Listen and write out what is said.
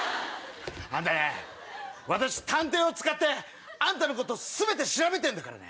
あんたね私探偵を使ってあんたのこと全て調べてんだからね。